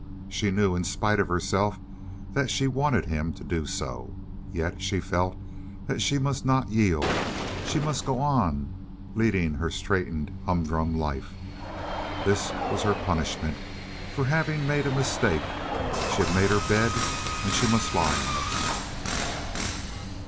She knew, in spite of herself that she wanted him to do so. Yet she felt that she must not yield, she must go on leading her straitened, humdrum life. This was her punishment for having made a mistake. She had made her bed, and she must lie on it.